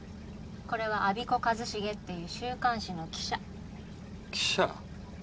これは我孫子和重っていう週刊誌の記者記者？